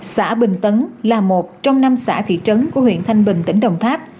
xã bình tấn là một trong năm xã thị trấn của huyện thanh bình tỉnh đồng tháp